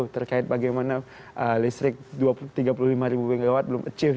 terkait bagaimana listrik tiga puluh lima ribu mw belum achieve